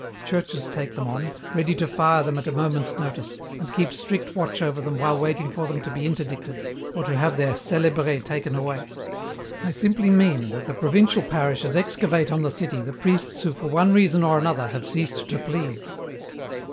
Churches take them on, ready to fire them at a moment's notice, and keep strict watch over them while waiting for them to be interdicted or to have their celebret taken away. I simply mean that the provincial parishes excavate on the city the priests who for one reason or another have ceased to please."